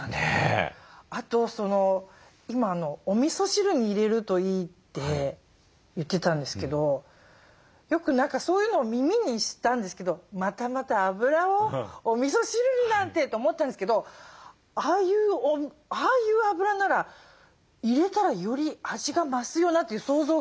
あとおみそ汁に入れるといいって言ってたんですけどよくそういうのを耳にしたんですけどまたまたあぶらをおみそ汁になんてと思ったんですけどああいうあぶらなら入れたらより味が増すよなという想像がつきます。